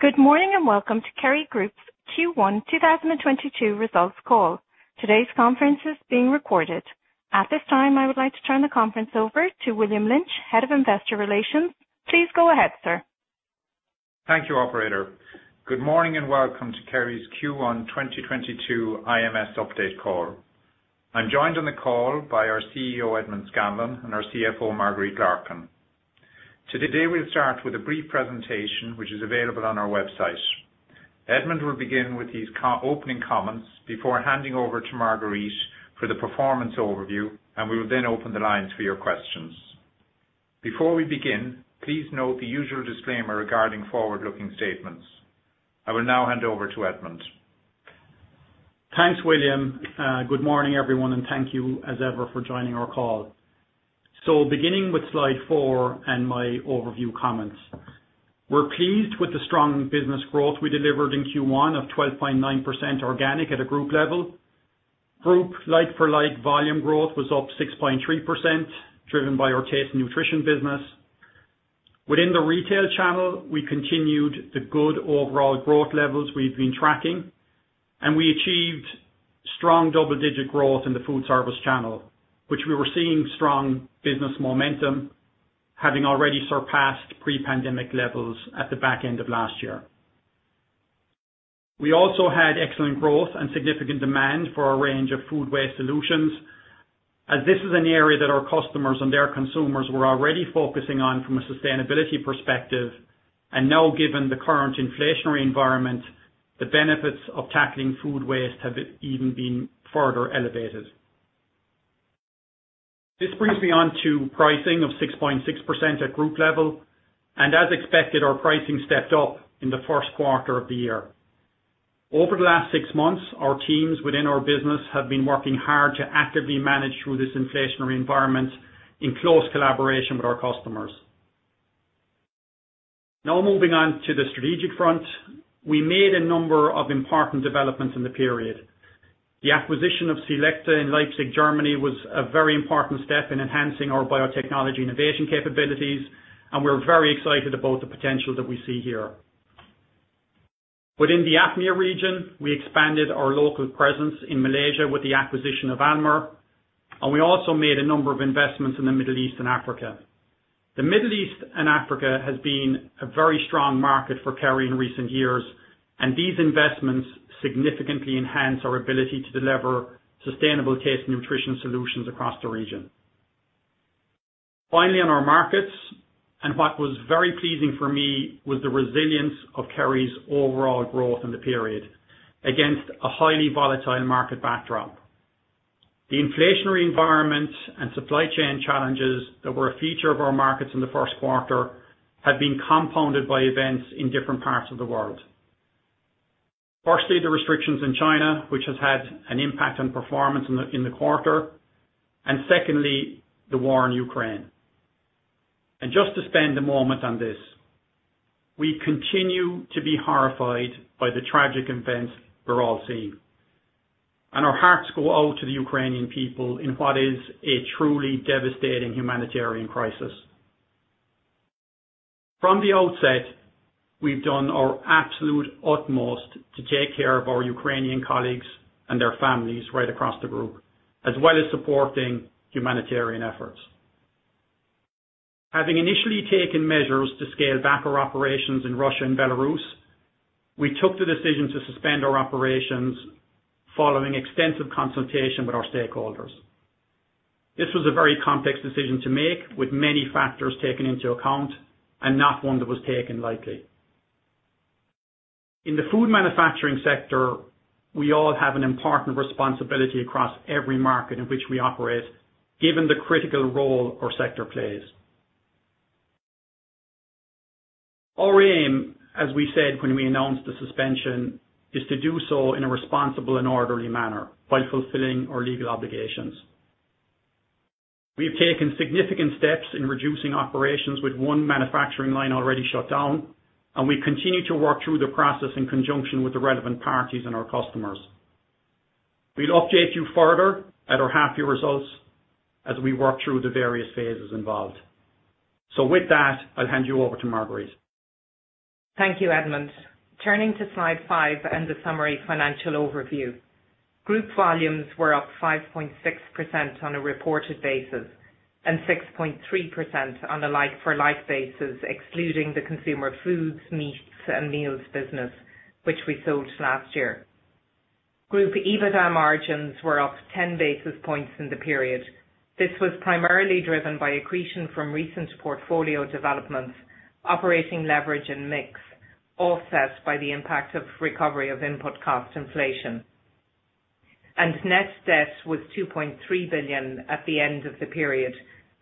Good morning, and welcome to Kerry Group's Q1 2022 results call. Today's conference is being recorded. At this time, I would like to turn the conference over to William Lynch, Head of Investor Relations. Please go ahead, sir. Thank you, operator. Good morning, and welcome to Kerry's Q1 2022 IMS update call. I'm joined on the call by our CEO, Edmond Scanlon, and our CFO, Marguerite Larkin. Today, we'll start with a brief presentation which is available on our website. Edmond will begin with his opening comments before handing over to Marguerite for the performance overview, and we will then open the lines for your questions. Before we begin, please note the usual disclaimer regarding forward-looking statements. I will now hand over to Edmond. Thanks, William. Good morning, everyone, and thank you as ever for joining our call. Beginning with slide four and my overview comments. We're pleased with the strong business growth we delivered in Q1 of 12.9% organic at a group level. Group like-for-like volume growth was up 6.3%, driven by our Taste & Nutrition business. Within the retail channel, we continued the good overall growth levels we've been tracking, and we achieved strong double-digit growth in the food service channel, which we were seeing strong business momentum, having already surpassed pre-pandemic levels at the back end of last year. We also had excellent growth and significant demand for our range of food waste solutions, as this is an area that our customers and their consumers were already focusing on from a sustainability perspective. Now, given the current inflationary environment, the benefits of tackling food waste have even been further elevated. This brings me on to pricing of 6.6% at group level, and as expected, our pricing stepped up in the first quarter of the year. Over the last six months, our teams within our business have been working hard to actively manage through this inflationary environment in close collaboration with our customers. Now moving on to the strategic front. We made a number of important developments in the period. The acquisition of c-LEcta in Leipzig, Germany, was a very important step in enhancing our biotechnology innovation capabilities, and we're very excited about the potential that we see here. Within the APMEA region, we expanded our local presence in Malaysia with the acquisition of ANMER, and we also made a number of investments in the Middle East and Africa. The Middle East and Africa has been a very strong market for Kerry in recent years, and these investments significantly enhance our ability to deliver sustainable Taste & Nutrition solutions across the region. Finally, on our markets, what was very pleasing for me was the resilience of Kerry's overall growth in the period against a highly volatile market backdrop. The inflationary environment and supply chain challenges that were a feature of our markets in the first quarter have been compounded by events in different parts of the world. First, the restrictions in China, which has had an impact on performance in the quarter, and second, the war in Ukraine. Just to spend a moment on this. We continue to be horrified by the tragic events we're all seeing, and our hearts go out to the Ukrainian people in what is a truly devastating humanitarian crisis. From the outset, we've done our absolute utmost to take care of our Ukrainian colleagues and their families right across the group, as well as supporting humanitarian efforts. Having initially taken measures to scale back our operations in Russia and Belarus, we took the decision to suspend our operations following extensive consultation with our stakeholders. This was a very complex decision to make, with many factors taken into account, and not one that was taken lightly. In the food manufacturing sector, we all have an important responsibility across every market in which we operate, given the critical role our sector plays. Our aim, as we said when we announced the suspension, is to do so in a responsible and orderly manner while fulfilling our legal obligations. We have taken significant steps in reducing operations with one manufacturing line already shut down, and we continue to work through the process in conjunction with the relevant parties and our customers. We'll update you further at our half year results as we work through the various phases involved. With that, I'll hand you over to Marguerite. Thank you, Edmond. Turning to slide 5 and the summary financial overview. Group volumes were up 5.6% on a reported basis and 6.3% on a like-for-like basis, excluding the consumer foods, meats, and meals business, which we sold last year. Group EBITDA margins were up 10 basis points in the period. This was primarily driven by accretion from recent portfolio developments, operating leverage and mix, offset by the impact of recovery of input cost inflation. Net debt was 2.3 billion at the end of the period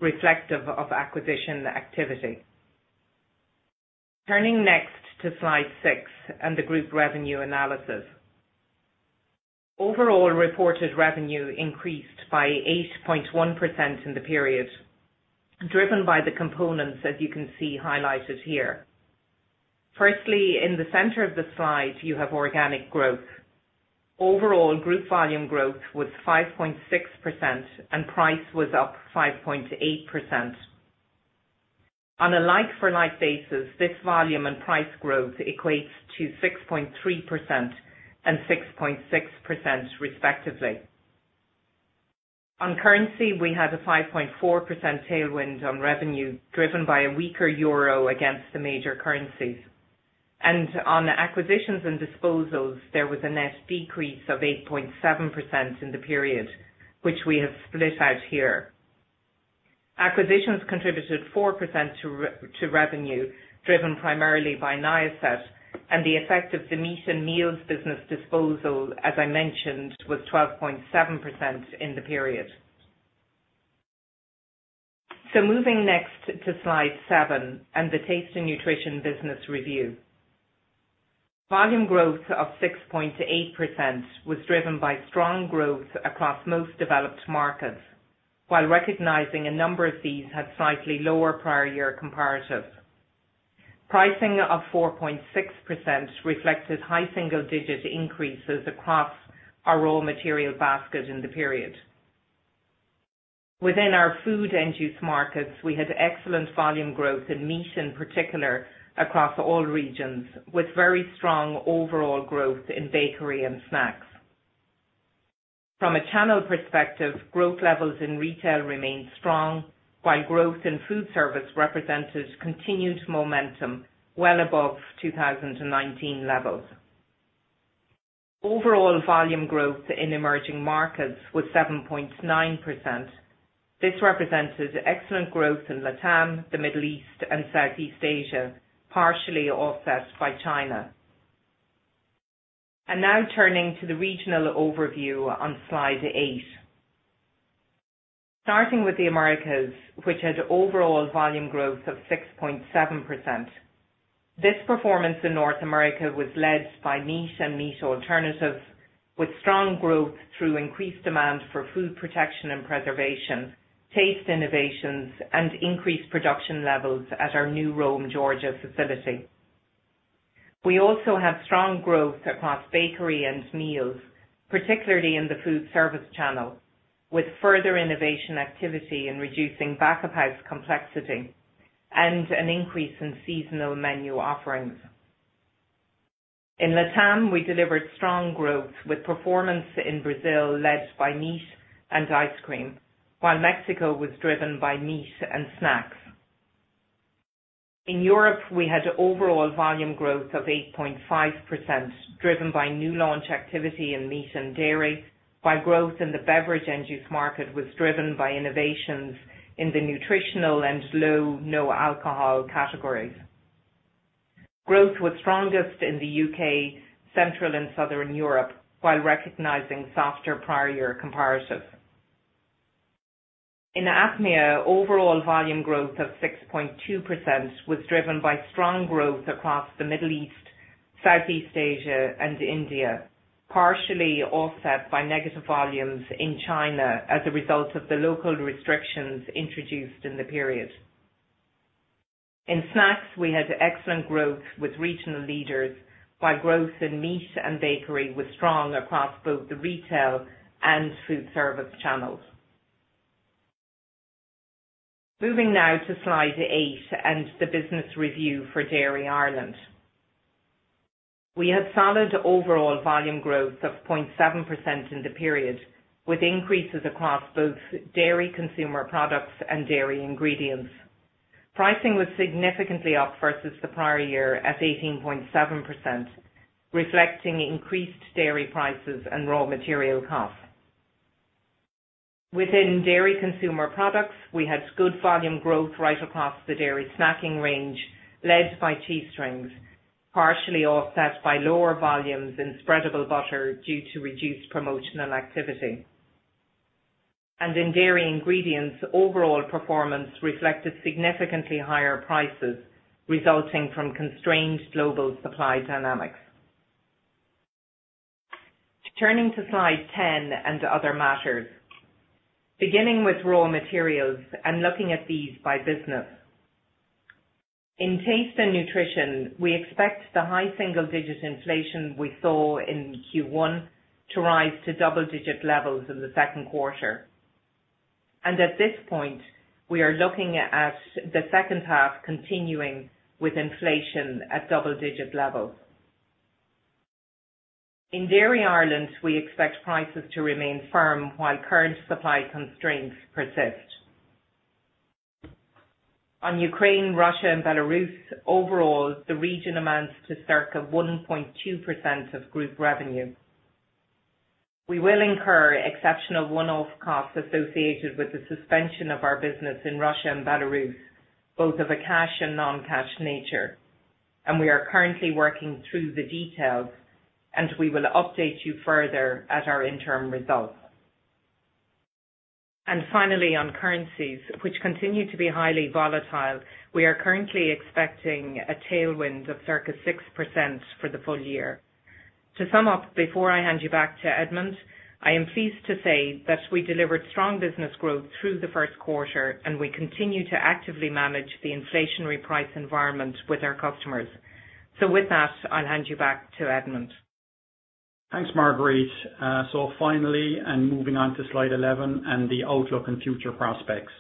reflective of acquisition activity. Turning next to slide 6 and the group revenue analysis. Overall reported revenue increased by 8.1% in the period, driven by the components as you can see highlighted here. Firstly, in the center of the slide, you have organic growth. Overall group volume growth was 5.6% and price was up 5.8%. On a like-for-like basis, this volume and price growth equates to 6.3% and 6.6% respectively. On currency, we had a 5.4% tailwind on revenue, driven by a weaker euro against the major currencies. On acquisitions and disposals, there was a net decrease of 8.7% in the period which we have split out here. Acquisitions contributed 4% to revenue, driven primarily by Niacet and the effect of the meat and meals business disposal, as I mentioned, was 12.7% in the period. Moving next to slide seven and the Taste & Nutrition business review. Volume growth of 6.8% was driven by strong growth across most developed markets, while recognizing a number of these had slightly lower prior year comparatives. Pricing of 4.6% reflected high single digit increases across our raw material basket in the period. Within our food end use markets, we had excellent volume growth in meat, in particular across all regions, with very strong overall growth in bakery and snacks. From a channel perspective, growth levels in retail remained strong, while growth in food service represented continued momentum well above 2019 levels. Overall volume growth in emerging markets was 7.9%. This represented excellent growth in LATAM, the Middle East and Southeast Asia, partially offset by China. Now turning to the regional overview on slide eight. Starting with the Americas, which had overall volume growth of 6.7%. This performance in North America was led by meat and meat alternatives, with strong growth through increased demand for food protection and preservation, taste innovations, and increased production levels at our new Rome, Georgia facility. We also had strong growth across bakery and meals, particularly in the food service channel, with further innovation activity in reducing back of house complexity and an increase in seasonal menu offerings. In LATAM, we delivered strong growth with performance in Brazil led by meat and ice cream, while Mexico was driven by meat and snacks. In Europe, we had overall volume growth of 8.5%, driven by new launch activity in meat and dairy, while growth in the beverage end use market was driven by innovations in the nutritional and low, no alcohol categories. Growth was strongest in the UK, Central and Southern Europe, while recognizing softer prior year comparatives. In APMEA, overall volume growth of 6.2% was driven by strong growth across the Middle East, Southeast Asia and India, partially offset by negative volumes in China as a result of the local restrictions introduced in the period. In snacks, we had excellent growth with regional leaders, while growth in meat and bakery was strong across both the retail and food service channels. Moving now to slide 8 and the business review for Dairy Ireland. We had solid overall volume growth of 0.7% in the period, with increases across both dairy consumer products and dairy ingredients. Pricing was significantly up versus the prior year at 18.7%, reflecting increased dairy prices and raw material costs. Within dairy consumer products, we had good volume growth right across the dairy snacking range, led by Cheestrings, partially offset by lower volumes in spreadable butter due to reduced promotional activity. In dairy ingredients, overall performance reflected significantly higher prices resulting from constrained global supply dynamics. Turning to slide 10 and other matters, beginning with raw materials and looking at these by business. In Taste & Nutrition, we expect the high single digit inflation we saw in Q1 to rise to double digit levels in the second quarter. At this point, we are looking at the second half continuing with inflation at double digit levels. In Dairy Ireland, we expect prices to remain firm while current supply constraints persist. On Ukraine, Russia and Belarus, overall, the region amounts to circa 1.2% of group revenue. We will incur exceptional one-off costs associated with the suspension of our business in Russia and Belarus, both of a cash and non-cash nature. We are currently working through the details and we will update you further at our interim results. Finally, on currencies, which continue to be highly volatile, we are currently expecting a tailwind of circa 6% for the full year. To sum up, before I hand you back to Edmond, I am pleased to say that we delivered strong business growth through the first quarter, and we continue to actively manage the inflationary price environment with our customers. With that, I'll hand you back to Edmond. Thanks, Marguerite. Finally, moving on to slide 11 and the outlook and future prospects.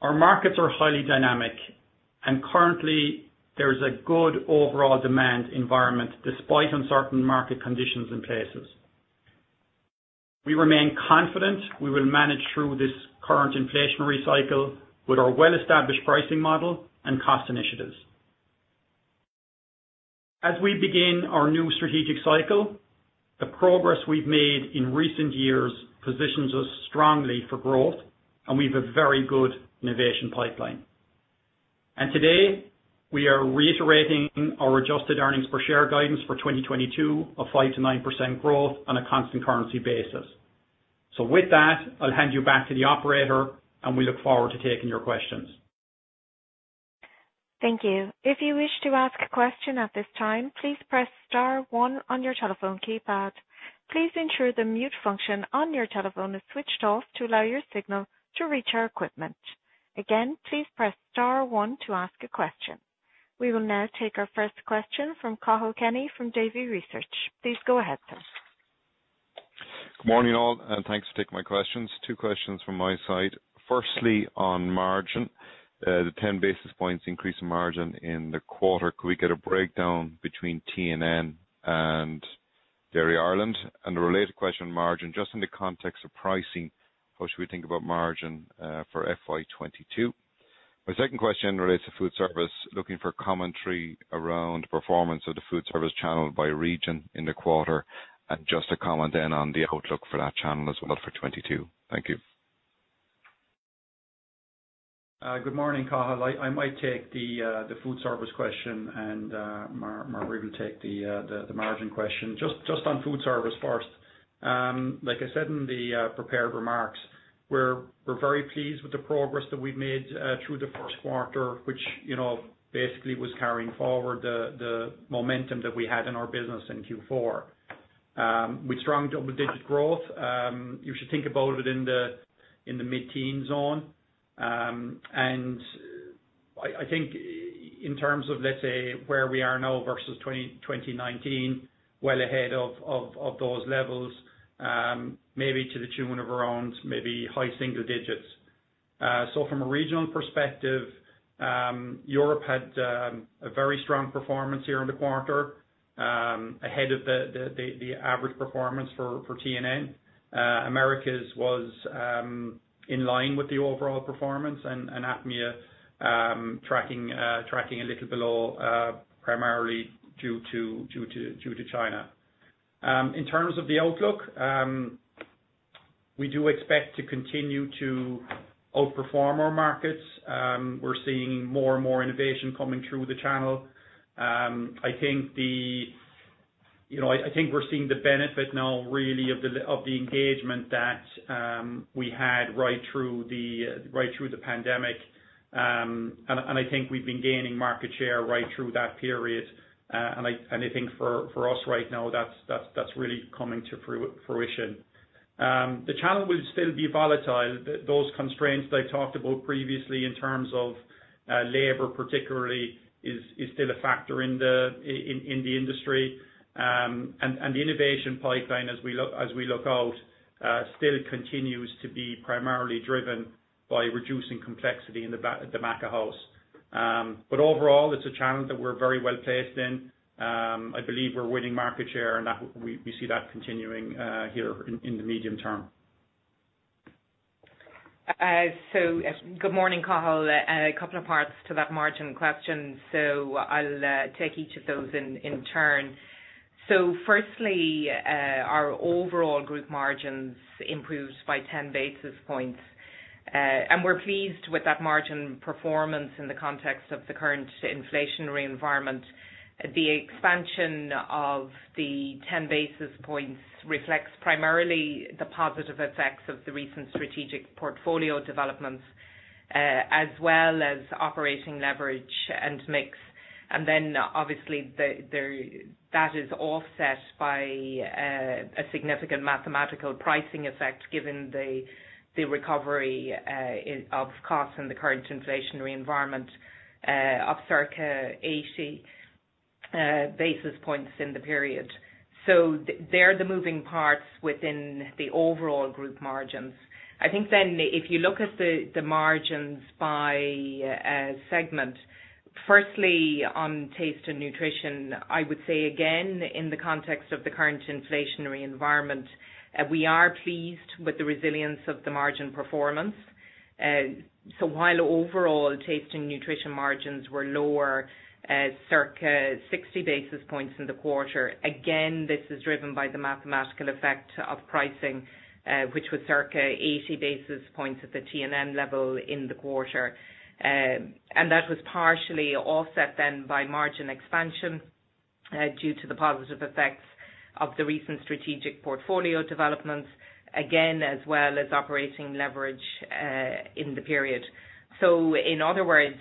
Our markets are highly dynamic and currently there is a good overall demand environment despite uncertain market conditions in places. We remain confident we will manage through this current inflationary cycle with our well-established pricing model and cost initiatives. As we begin our new strategic cycle, the progress we've made in recent years positions us strongly for growth, and we have a very good innovation pipeline. Today, we are reiterating our adjusted earnings per share guidance for 2022 of 5%-9% growth on a constant currency basis. With that, I'll hand you back to the operator, and we look forward to taking your questions. Thank you. If you wish to ask a question at this time, please press star one on your telephone keypad. Please ensure the mute function on your telephone is switched off to allow your signal to reach our equipment. Again, please press star one to ask a question. We will now take our first question from Cathal Kenny from Davy Research. Please go ahead, sir. Good morning, all, and thanks for taking my questions. Two questions from my side. Firstly, on margin, the ten basis points increase in margin in the quarter. Could we get a breakdown between T&N and Dairy Ireland? A related question on margin, just in the context of pricing, how should we think about margin, for FY 2022? My second question relates to food service, looking for commentary around performance of the food service channel by region in the quarter, and just a comment then on the outlook for that channel as well for 2022. Thank you. Good morning, Cathal. I might take the food service question and Marguerite will take the margin question. Just on food service first. Like I said in the prepared remarks, we're very pleased with the progress that we've made through the first quarter, which you know basically was carrying forward the momentum that we had in our business in Q4. With strong double-digit growth, you should think about it in the mid-teen zone. I think in terms of, let's say, where we are now versus 2020, 2019, well ahead of those levels, maybe to the tune of around maybe high single digits. From a regional perspective, Europe had a very strong performance here in the quarter, ahead of the average performance for T&N. Americas was in line with the overall performance and APMEA tracking a little below, primarily due to China. In terms of the outlook, we do expect to continue to outperform our markets. We're seeing more and more innovation coming through the channel. You know, I think we're seeing the benefit now really of the engagement that we had right through the pandemic. I think we've been gaining market share right through that period. I think for us right now, that's really coming to fruition. The channel will still be volatile. Those constraints that I talked about previously in terms of labor particularly is still a factor in the industry. The innovation pipeline as we look out still continues to be primarily driven by reducing complexity in the back-of-house. Overall, it's a channel that we're very well placed in. I believe we're winning market share, and we see that continuing here in the medium term. Good morning, Cathal. A couple of parts to that margin question, so I'll take each of those in turn. Firstly, our overall group margins improved by 10 basis points, and we're pleased with that margin performance in the context of the current inflationary environment. The expansion of the 10 basis points reflects primarily the positive effects of the recent strategic portfolio developments, as well as operating leverage and mix. Then obviously that is offset by a significant mathematical pricing effect given the recovery of costs in the current inflationary environment of circa 80 basis points in the period. They're the moving parts within the overall group margins. I think if you look at the margins by segment, firstly on Taste & Nutrition, I would say again, in the context of the current inflationary environment, we are pleased with the resilience of the margin performance. While overall Taste & Nutrition margins were lower at circa 60 basis points in the quarter, again, this is driven by the mathematical effect of pricing, which was circa 80 basis points at the T&N level in the quarter. That was partially offset then by margin expansion, due to the positive effects of the recent strategic portfolio developments, again, as well as operating leverage, in the period. In other words,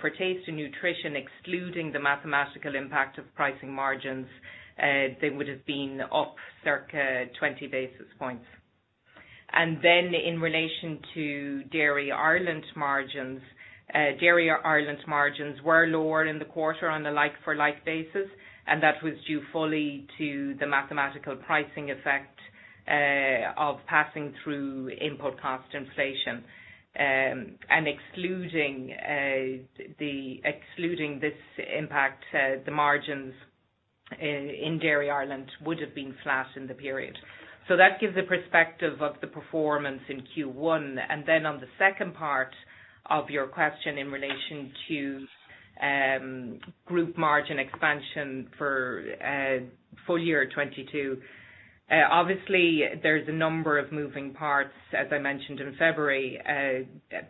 for Taste & Nutrition, excluding the mathematical impact of pricing margins, they would have been up circa 20 basis points. In relation to Dairy Ireland margins, Dairy Ireland margins were lower in the quarter on the like-for-like basis, and that was due fully to the mathematical pricing effect of passing through input cost inflation. Excluding this impact, the margins in Dairy Ireland would've been flat in the period. That gives a perspective of the performance in Q1. On the second part of your question in relation to group margin expansion for full year 2022, obviously there's a number of moving parts, as I mentioned in February,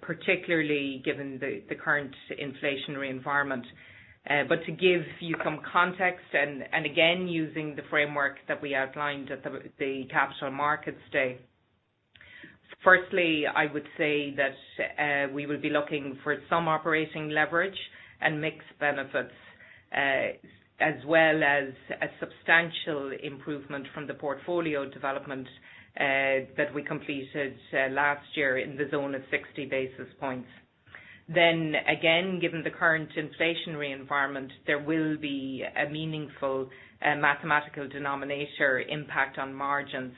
particularly given the current inflationary environment. To give you some context and again, using the framework that we outlined at the capital markets day, firstly, I would say that we will be looking for some operating leverage and mix benefits, as well as a substantial improvement from the portfolio development that we completed last year in the zone of 60 basis points. Again, given the current inflationary environment, there will be a meaningful mathematical denominator impact on margins.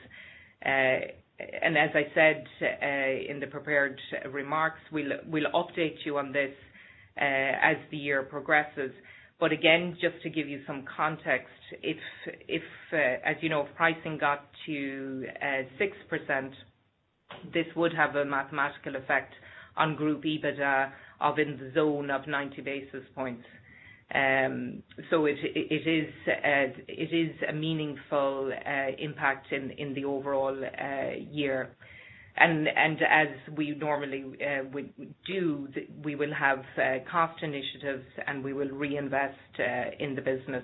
As I said in the prepared remarks, we'll update you on this as the year progresses. Again, just to give you some context, as you know, if pricing got to 6%, this would have a mathematical effect on group EBITDA of in the zone of 90 basis points. It is a meaningful impact in the overall year. As we normally would do, we will have cost initiatives and we will reinvest in the business.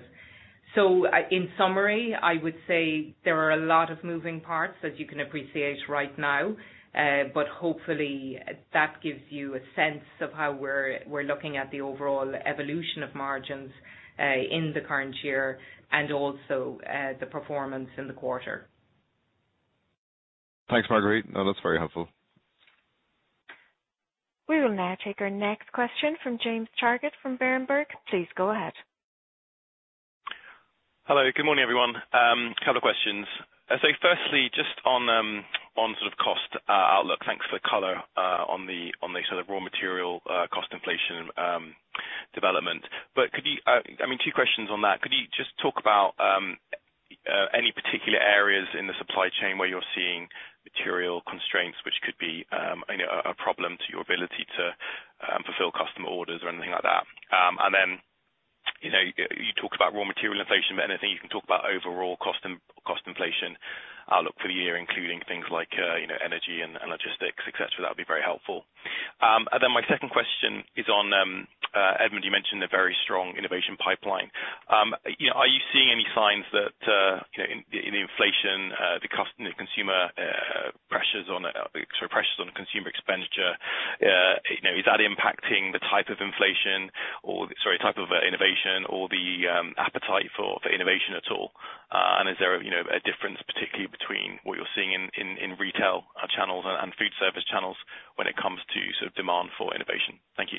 In summary, I would say there are a lot of moving parts as you can appreciate right now. Hopefully that gives you a sense of how we're looking at the overall evolution of margins in the current year and also the performance in the quarter. Thanks, Marguerite. No, that's very helpful. We will now take our next question from James Targett from Berenberg. Please go ahead. Hello. Good morning, everyone. Couple of questions. I say firstly, just on sort of cost outlook. Thanks for the color on the sort of raw material cost inflation development. Could you, I mean, two questions on that. Could you just talk about any particular areas in the supply chain where you're seeing material constraints which could be, you know, a problem to your ability to fulfill customer orders or anything like that. You know, you talked about raw material inflation, but anything you can talk about overall cost inflation outlook for the year, including things like, you know, energy and logistics costs, that would be very helpful. My second question is on, Edmond, you mentioned the very strong innovation pipeline. You know, are you seeing any signs that, you know, in the inflation, consumer pressures on consumer expenditure, you know, is that impacting the type of inflation or, sorry, type of innovation or the appetite for innovation at all? Is there, you know, a difference particularly between what you're seeing in retail channels and food service channels when it comes to sort of demand for innovation? Thank you.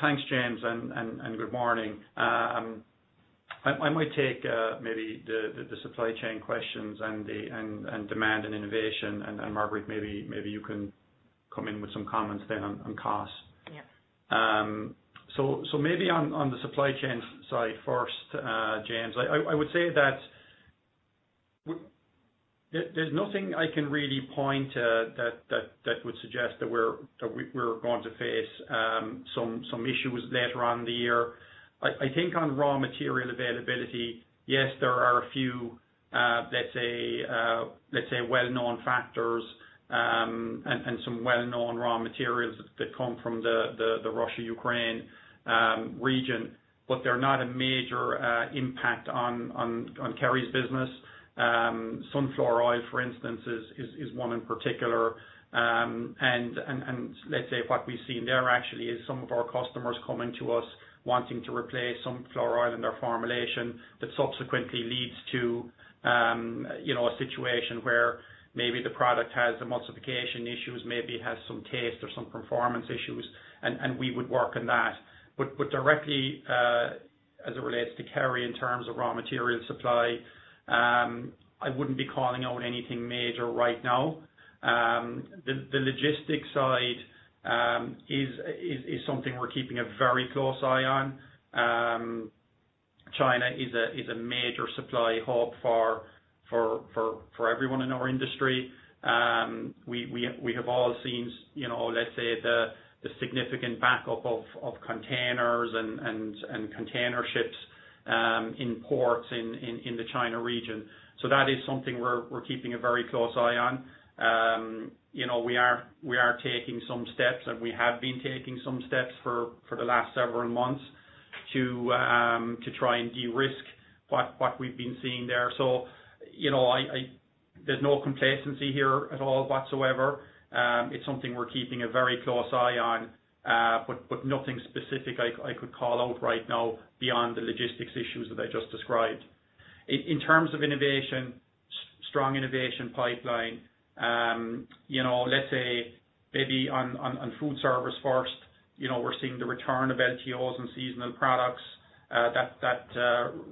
Thanks, James, and good morning. I might take maybe the supply chain questions and the demand and innovation and Marguerite, maybe you can come in with some comments then on costs. Yeah. Maybe on the supply chain side first, James, I would say that there's nothing I can really point to that would suggest that we're going to face some issues later on in the year. I think on raw material availability, yes, there are a few, let's say well-known factors, and some well-known raw materials that come from the Russia-Ukraine region, but they're not a major impact on Kerry's business. Sunflower oil, for instance, is one in particular. And let's say what we've seen there actually is some of our customers coming to us wanting to replace sunflower oil in their formulation. That subsequently leads to, you know, a situation where maybe the product has emulsification issues, maybe it has some taste or some performance issues, and we would work on that. Directly, as it relates to Kerry in terms of raw material supply, I wouldn't be calling out anything major right now. The logistics side is something we're keeping a very close eye on. China is a major supply hub for everyone in our industry. We have all seen, you know, let's say the significant backup of containers and container ships in ports in the China region. That is something we're keeping a very close eye on. You know, we are taking some steps, and we have been taking some steps for the last several months to try and de-risk what we've been seeing there. You know, there's no complacency here at all whatsoever. It's something we're keeping a very close eye on, but nothing specific I could call out right now beyond the logistics issues that I just described. In terms of innovation. Strong innovation pipeline. You know, let's say maybe on food service first, you know, we're seeing the return of LTOs and seasonal products.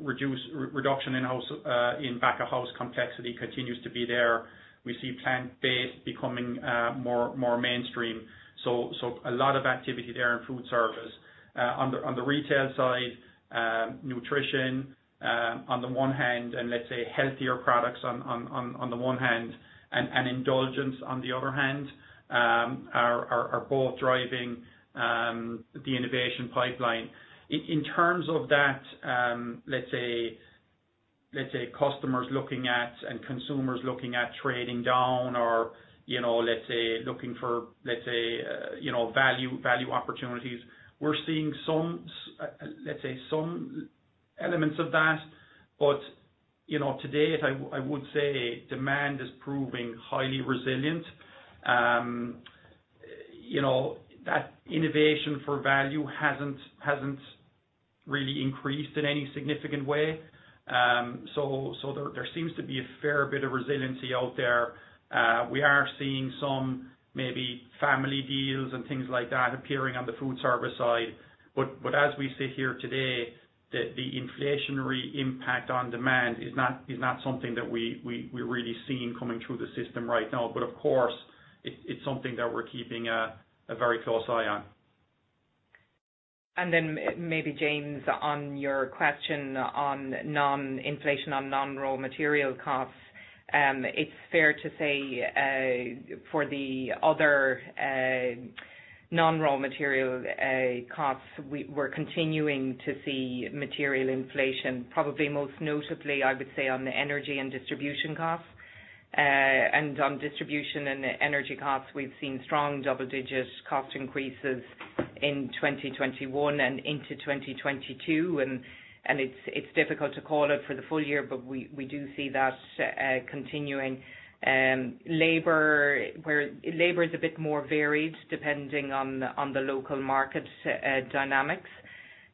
Reduction in back-of-house complexity continues to be there. We see plant-based becoming more mainstream. A lot of activity there in food service. On the retail side, nutrition on the one hand, and let's say healthier products on the one hand and indulgence on the other hand are both driving the innovation pipeline. In terms of that, let's say customers looking at, and consumers looking at trading down or, you know, let's say looking for value opportunities. We're seeing some elements of that. You know, today I would say demand is proving highly resilient. You know, that innovation for value hasn't really increased in any significant way. So there seems to be a fair bit of resiliency out there. We are seeing some maybe family deals and things like that appearing on the food service side. As we sit here today, the inflationary impact on demand is not something that we're really seeing coming through the system right now. Of course, it's something that we're keeping a very close eye on. Maybe James, on your question on inflation on non-raw material costs, it's fair to say, for the other non-raw material costs, we're continuing to see material inflation, probably most notably, I would say, on the energy and distribution costs. On distribution and energy costs, we've seen strong double-digit cost increases in 2021 and into 2022. It's difficult to call it for the full year, but we do see that continuing. Labor is a bit more varied depending on the local market dynamics.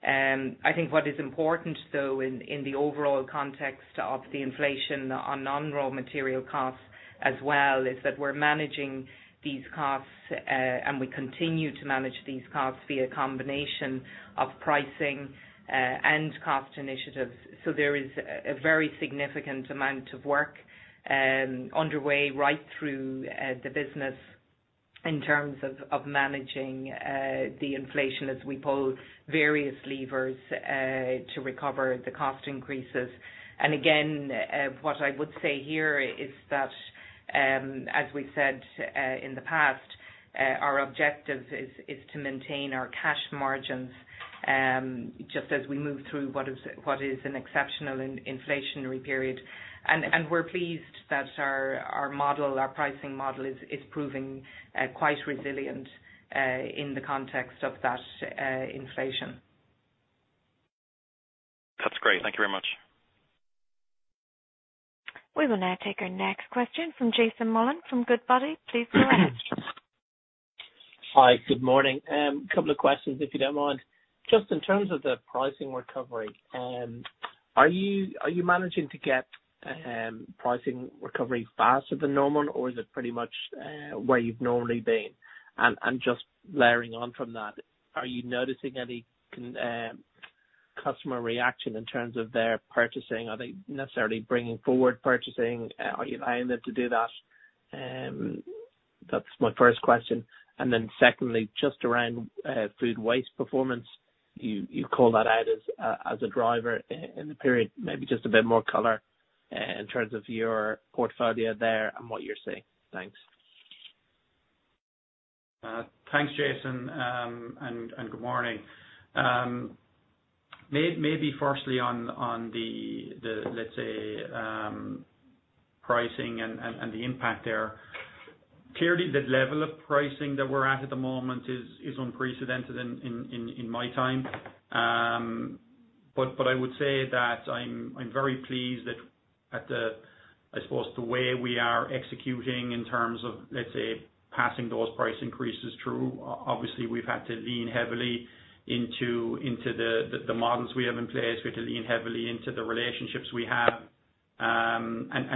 I think what is important though, in the overall context of the inflation on non-raw material costs as well, is that we're managing these costs, and we continue to manage these costs via combination of pricing and cost initiatives. There is a very significant amount of work underway right through the business in terms of managing the inflation as we pull various levers to recover the cost increases. Again, what I would say here is that, as we said in the past, our objective is to maintain our cash margins just as we move through what is an exceptional inflationary period. We're pleased that our model, our pricing model is proving quite resilient in the context of that inflation. That's great. Thank you very much. We will now take our next question from Jason Molins from GoodBody. Please go ahead. Hi, good morning. A couple of questions if you don't mind. Just in terms of the pricing recovery, are you managing to get pricing recovery faster than normal or is it pretty much where you've normally been? Just layering on from that, are you noticing any customer reaction in terms of their purchasing? Are they necessarily bringing forward purchasing? Are you allowing them to do that? That's my first question. Secondly, just around food waste performance. You call that out as a driver in the period. Maybe just a bit more color in terms of your portfolio there and what you're seeing. Thanks. Thanks, Jason, and good morning. Maybe firstly on the let's say pricing and the impact there. Clearly, the level of pricing that we're at at the moment is unprecedented in my time. I would say that I'm very pleased at the I suppose the way we are executing in terms of let's say passing those price increases through, obviously we've had to lean heavily into the models we have in place. We had to lean heavily into the relationships we have.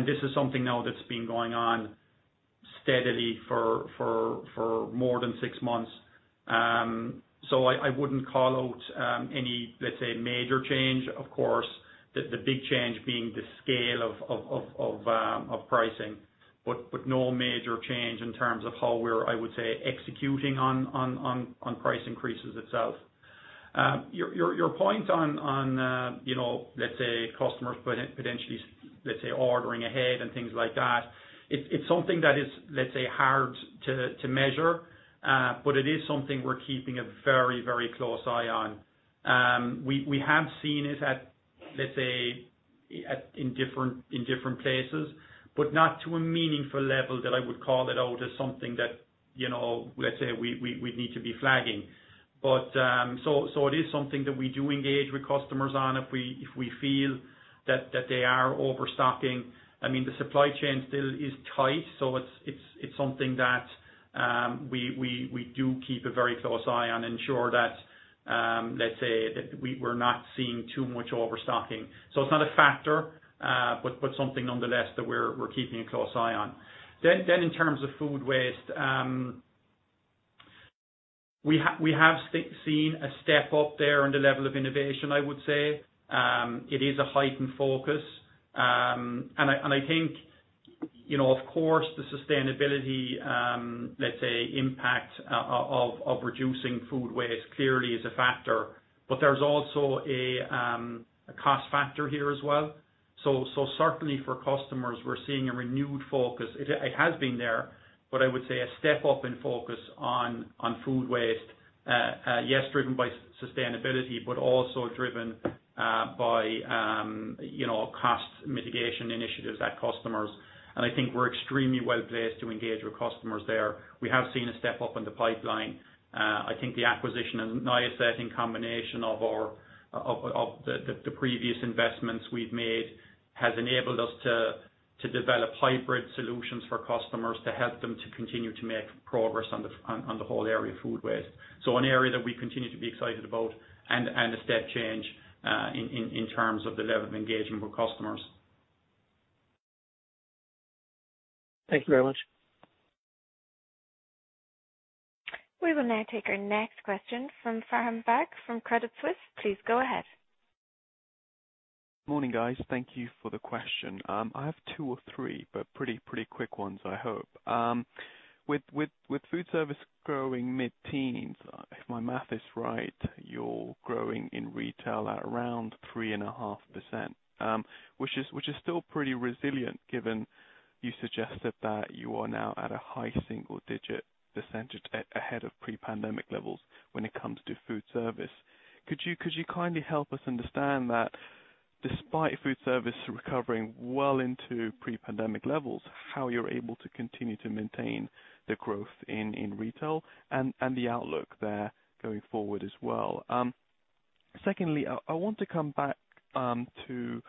This is something now that's been going on steadily for more than six months. I wouldn't call out any let's say major change. Of course, the big change being the scale of pricing, but no major change in ter ms of how we're, I would say, executing on price increases itself. Your point on, you know, let's say customers potentially, let's say, ordering ahead and things like that, it's something that is, let's say, hard to measure, but it is something we're keeping a very close eye on. We have seen it at, let's say, in different places, but not to a meaningful level that I would call it out as something that, you know, let's say we need to be flagging. It is something that we do engage with customers on if we feel that they are overstocking. I mean, the supply chain still is tight, so it's something that we do keep a very close eye on to ensure that, let's say that we're not seeing too much overstocking. It's not a factor, but something nonetheless that we're keeping a close eye on. In terms of food waste, we have seen a step up there in the level of innovation, I would say. It is a heightened focus. And I think, you know, of course, the sustainability, let's say, impact of reducing food waste clearly is a factor, but there's also a cost factor here as well. Certainly for customers, we're seeing a renewed focus. It has been there, but I would say a step up in focus on food waste, yes, driven by sustainability, but also driven by, you know, cost mitigation initiatives at customers. I think we're extremely well-placed to engage with customers there. We have seen a step up in the pipeline. I think the acquisition of Niacet in combination of our, the previous investments we've made has enabled us to develop hybrid solutions for customers to help them to continue to make progress on the whole area of food waste. One area that we continue to be excited about and a step change in terms of the level of engagement with customers. Thank you very much. We will now take our next question from Faham Baig from Credit Suisse. Please go ahead. Morning, guys. Thank you for the question. I have two or three, but pretty quick ones, I hope. With food service growing mid-teens, if my math is right, you're growing in retail at around 3.5%, which is still pretty resilient, given you suggested that you are now at a high single-digit % ahead of pre-pandemic levels when it comes to food service. Could you kindly help us understand that despite food service recovering well into pre-pandemic levels, how you're able to continue to maintain the growth in retail and the outlook there going forward as well? Secondly, I want to come back to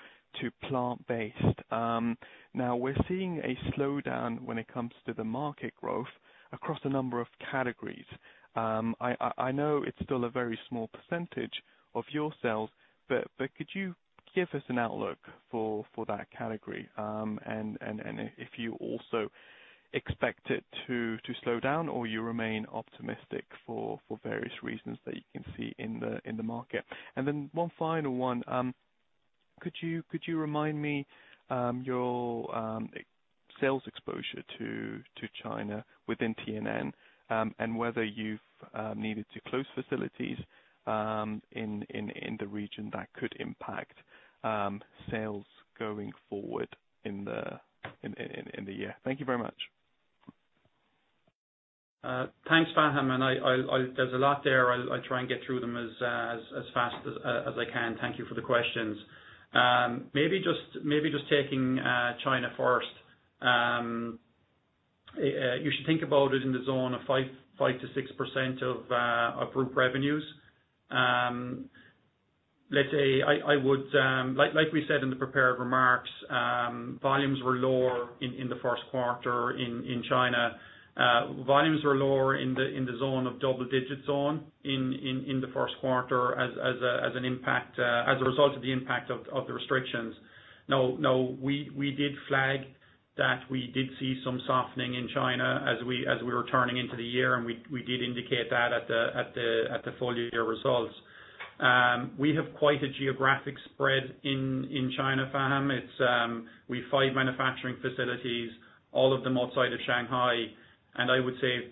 plant-based. Now we're seeing a slowdown when it comes to the market growth across a number of categories. I know it's still a very small percentage of your sales, but could you give us an outlook for that category? If you also expect it to slow down or you remain optimistic for various reasons that you can see in the market. One final one. Could you remind me your sales exposure to China within T&N, and whether you've needed to close facilities in the region that could impact sales going forward in the year. Thank you very much. Thanks, Farhan. There's a lot there. I'll try and get through them as fast as I can. Thank you for the questions. Maybe just taking China first. You should think about it in the zone of 5%-6% of group revenues. Let's say, as we said in the prepared remarks, volumes were lower in the first quarter in China. Volumes were lower in the zone of double digits down in the first quarter as a result of the impact of the restrictions. We did flag that we did see some softening in China as we were turning into the year, and we did indicate that at the full year results. We have quite a geographic spread in China, Farhan. It is, we have five manufacturing facilities, all of them outside of Shanghai. I would say,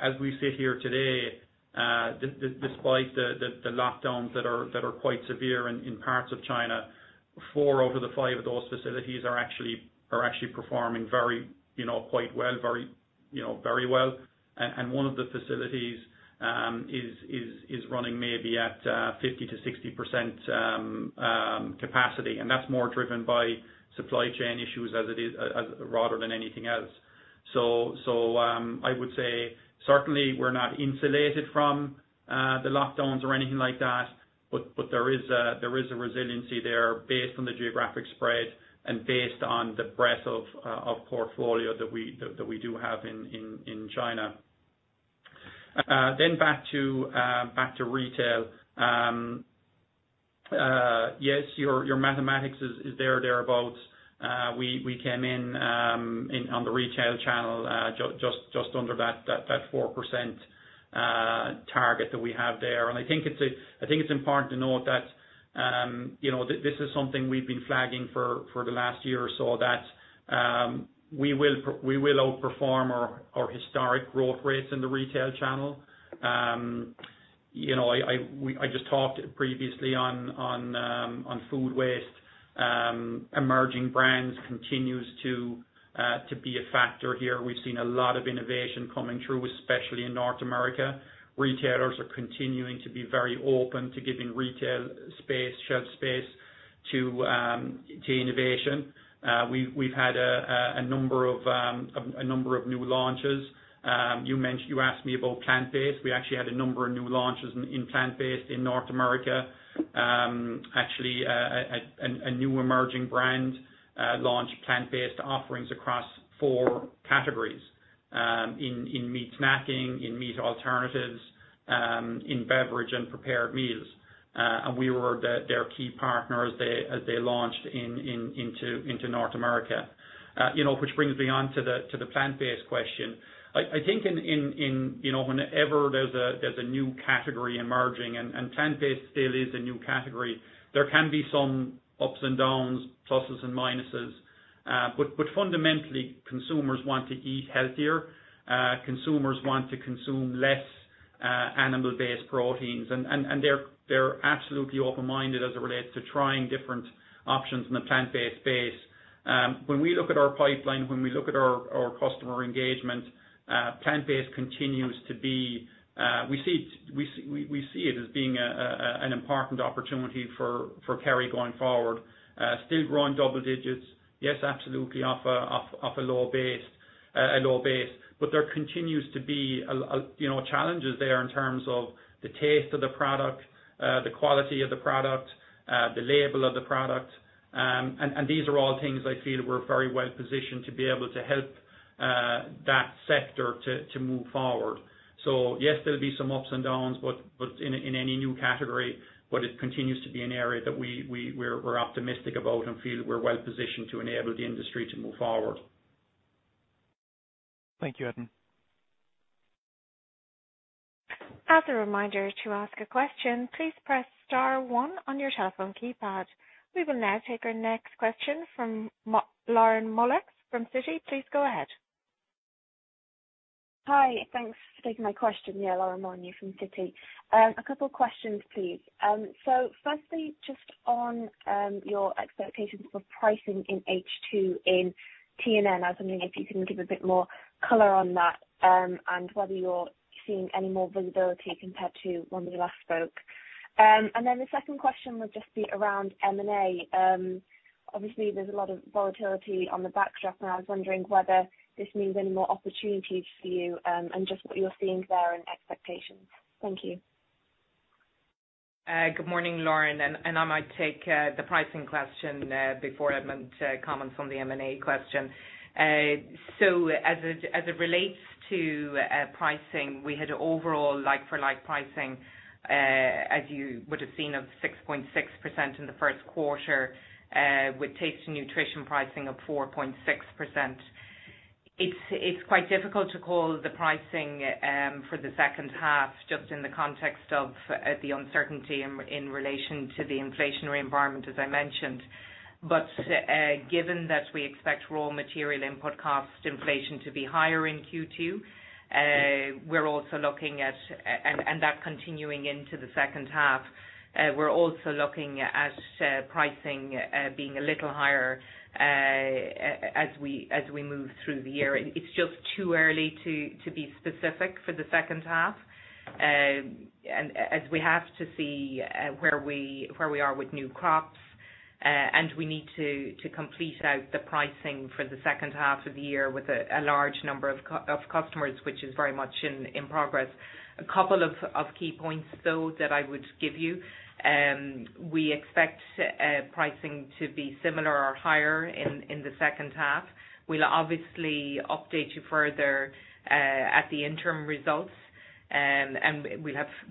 as we sit here today, despite the lockdowns that are quite severe in parts of China, four out of the five of those facilities are actually performing very, you know, quite well, very, you know, very well. One of the facilities is running maybe at 50%-60% capacity. That's more driven by supply chain issues as it is rather than anything else. I would say certainly we're not insulated from the lockdowns or anything like that, but there is a resiliency there based on the geographic spread and based on the breadth of portfolio that we do have in China. Back to retail. Yes, your mathematics is thereabouts. We came in on the retail channel just under that 4% target that we have there. I think it's important to note that, you know, this is something we've been flagging for the last year or so, that we will outperform our historic growth rates in the retail channel. You know, I just talked previously on food waste. Emerging brands continues to be a factor here. We've seen a lot of innovation coming through, especially in North America. Retailers are continuing to be very open to giving retail space, shelf space to innovation. We've had a number of new launches. You mentioned, you asked me about plant-based. We actually had a number of new launches in plant-based in North America. Actually, a new emerging brand launched. Plant-based offerings across four categories, in meat snacking, in meat alternatives, in beverage and prepared meals. We were their key partner as they launched into North America. You know, which brings me on to the plant-based question. I think, you know, whenever there's a new category emerging and plant-based still is a new category, there can be some ups and downs, pluses and minuses. Fundamentally, consumers want to eat healthier. Consumers want to consume less animal-based proteins. They're absolutely open-minded as it relates to trying different options in the plant-based space. When we look at our pipeline, our customer engagement, plant-based continues to be. We see it as being an important opportunity for Kerry going forward. Still growing double digits, yes, absolutely off a low base. There continues to be, you know, challenges there in terms of the taste of the product, the quality of the product, the label of the product. These are all things I feel we're very well positioned to be able to help that sector to move forward. Yes, there'll be some ups and downs, but in any new category. It continues to be an area that we're optimistic about and feel we're well positioned to enable the industry to move forward. Thank you, Edmond. As a reminder, to ask a question, please press star one on your telephone keypad. We will now take our next question from Lauren Muller from Citi. Please go ahead. Hi. Thanks for taking my question. Yeah, Lauren Molyneux from Citi. A couple questions, please. Firstly, just on your expectations for pricing in H2 in T&N, I was wondering if you can give a bit more color on that, and whether you're seeing any more visibility compared to when we last spoke. The second question would just be around M&A. Obviously there's a lot of volatility on the backdrop, and I was wondering whether this means any more opportunities for you, and just what you're seeing there and expectations. Thank you. Good morning, Lauren, and I might take the pricing question before Edmond comments on the M&A question. So as it relates to pricing, we had overall like for like pricing as you would have seen of 6.6% in the first quarter with Taste & Nutrition pricing of 4.6%. It's quite difficult to call the pricing for the second half, just in the context of the uncertainty in relation to the inflationary environment, as I mentioned. But given that we expect raw material input cost inflation to be higher in Q2, and that continuing into the second half, we're also looking at pricing being a little higher as we move through the year. It's just too early to be specific for the second half, and as we have to see where we are with new crops, and we need to complete our pricing for the second half of the year with a large number of customers, which is very much in progress. A couple of key points though that I would give you, we expect pricing to be similar or higher in the second half. We'll obviously update you further at the interim results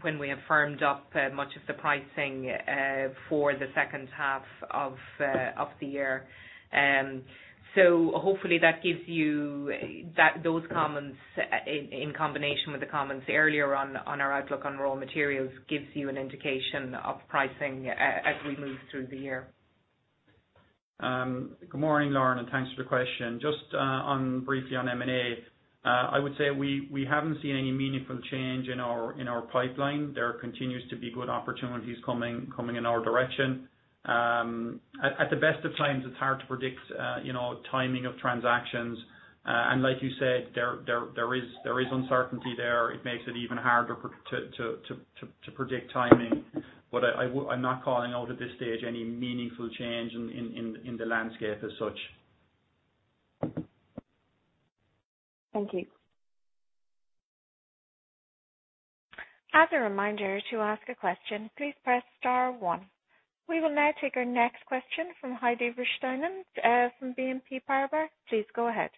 when we have firmed up much of the pricing for the second half of the year. Hopefully that gives you that, those comments in combination with the comments earlier on our outlook on raw materials, gives you an indication of pricing as we move through the year. Good morning, Lauren, and thanks for the question. Just briefly on M&A, I would say we haven't seen any meaningful change in our pipeline. There continues to be good opportunities coming in our direction. At the best of times, it's hard to predict, you know, timing of transactions. Like you said, there is uncertainty there. It makes it even harder to predict timing. I'm not calling out at this stage any meaningful change in the landscape as such. Thank you. As a reminder, to ask a question, please press star one. We will now take our next question from Heidi Vesterinen from BNP Paribas. Please go ahead.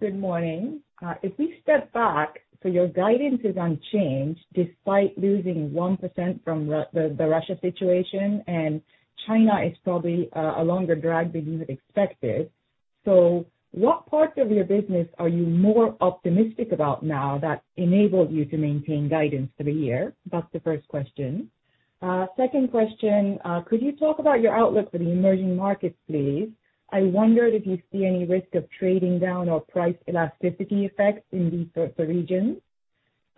Good morning. If we step back, your guidance is unchanged despite losing 1% from the Russia situation, and China is probably a longer drag than you had expected. What parts of your business are you more optimistic about now that enables you to maintain guidance for the year? That's the first question. Second question. Could you talk about your outlook for the emerging markets, please? I wondered if you see any risk of trading down or price elasticity effects in these sorts of regions.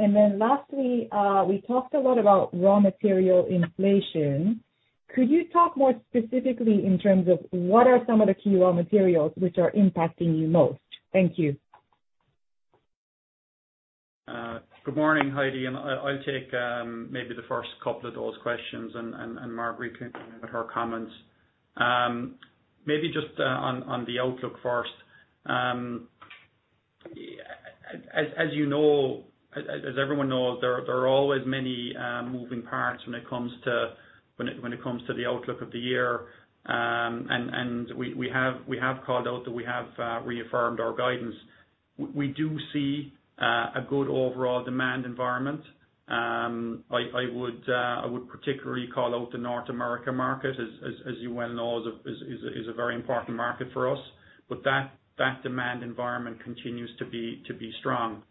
Lastly, we talked a lot about raw material inflation. Could you talk more specifically in terms of what are some of the key raw materials which are impacting you most? Thank you. Good morning, Heidi, and I'll take maybe the first couple of those questions and Marguerite can give her comments. Maybe just on the outlook first. As you know, everyone knows, there are always many moving parts when it comes to the outlook of the year. We have called out that we have reaffirmed our guidance. We do see a good overall demand environment. I would particularly call out the North America market as you well know is a very important market for us. That demand environment continues to be strong.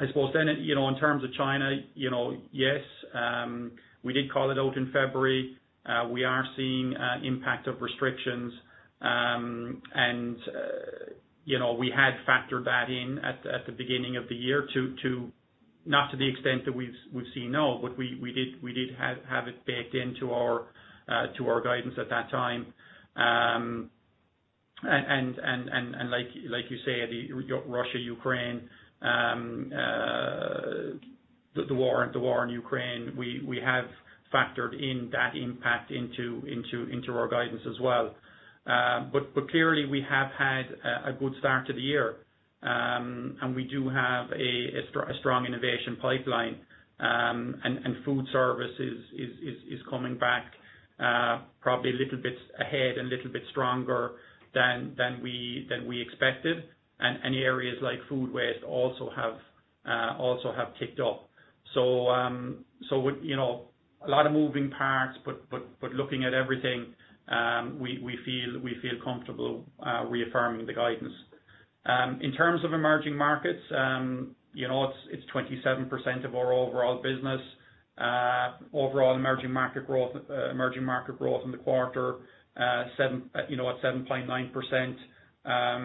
I suppose then, you know, in terms of China, you know, yes, we did call it out in February. We are seeing impact of restrictions. You know, we had factored that in at the beginning of the year to. Not to the extent that we've seen, no, but we did have it baked into our guidance at that time. Like you say, the Russia-Ukraine war in Ukraine, we have factored in that impact into our guidance as well. Clearly we have had a good start to the year. We do have a strong innovation pipeline. Food service is coming back probably a little bit ahead and a little bit stronger than we expected. Areas like food waste also have ticked up. With you know a lot of moving parts, but looking at everything, we feel comfortable reaffirming the guidance. In terms of emerging markets, you know, it's 27% of our overall business. Overall emerging market growth in the quarter at 7.9%.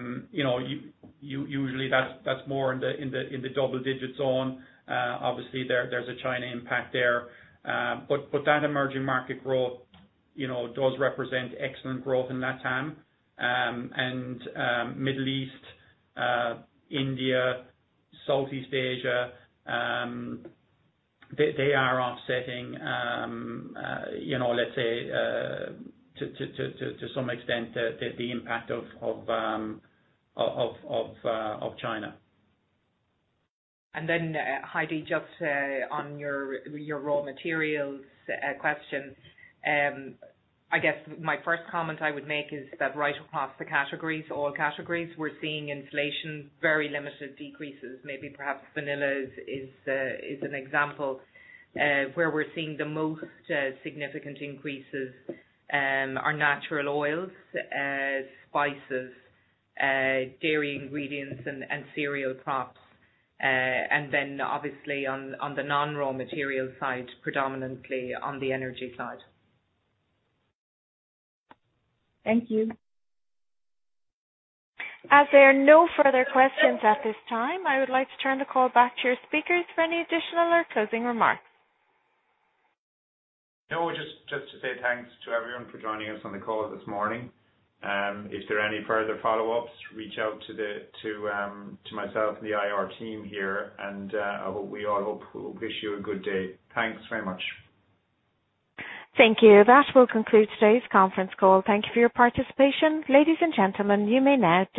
Usually that's more in the double digits. Obviously there's a China impact there. But that emerging market growth, you know, does represent excellent growth in LATAM. Middle East, India, Southeast Asia, they are offsetting, you know, let's say, to some extent the impact of China. Heidi, just on your raw materials question. I guess my first comment I would make is that right across the categories, all categories, we're seeing inflation, very limited decreases. Maybe perhaps vanilla is an example. Where we're seeing the most significant increases are natural oils, spices, dairy ingredients and cereal crops. Obviously on the non-raw material side, predominantly on the energy side. Thank you. As there are no further questions at this time, I would like to turn the call back to your speakers for any additional or closing remarks. No, just to say thanks to everyone for joining us on the call this morning. If there are any further follow-ups, reach out to myself and the IR team here and we all hope, wish you a good day. Thanks very much. Thank you. That will conclude today's conference call. Thank you for your participation. Ladies and gentlemen, you may now disconnect.